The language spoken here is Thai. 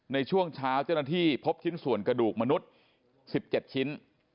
ในช่วงเช้าเจ้าหน้าที่พบชิ้นส่วนกระดูกมนุษย์๑๗ชิ้น